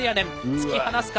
突き放すか